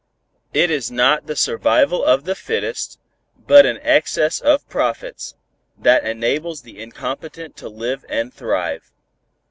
"It is not the survival of the fittest, but an excess of profits, that enables the incompetent to live and thrive."